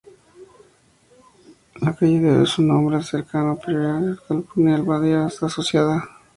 La calle debe su nombre al cercano priorato de Kilburn y la abadía asociada.